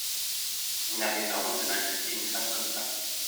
Vous n’avez pas honte de maltraiter une femme comme ça…